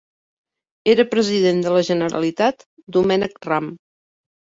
Era President de la Generalitat Domènec Ram.